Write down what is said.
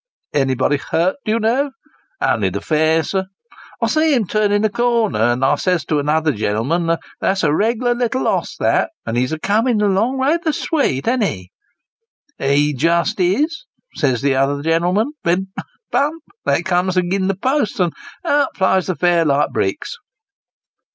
" Anybody hurt, do you know ?"" On'y the fare, sir. I see him a turnin' the corner, and I ses to another gen'lm'n ' that's a reg'lar little oss that, and he's a comin' along rayther sweet, an't he ?'' He just is,' ses the other gen'lm'n, ven bump they cums agin the post, and out flies the fare like bricks."